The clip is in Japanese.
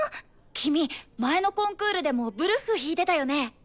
君前のコンクールでもブルッフ弾いてたよね？